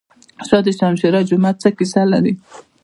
شاه دوشمشیره جومات څه کیسه لري؟